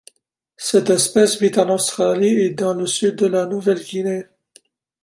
Cette espèce vit en Australie et dans le Sud de la Nouvelle-Guinée.